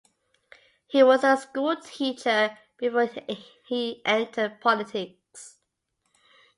He was a schoolteacher before he entered politics.